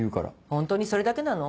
ホントにそれだけなの？